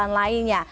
atau jalan lainnya